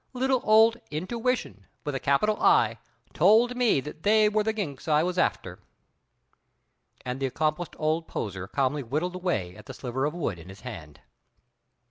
Little old Intuition, with a capital I, told me that they were the ginks I was after." And the accomplished old poser calmly whittled away at the sliver of wood in his hand.